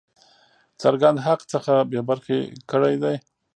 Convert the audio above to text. څرګند حق څخه بې برخي کړی دی.